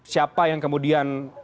siapa yang kemudian